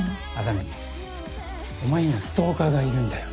莇お前にはストーカーがいるんだよ。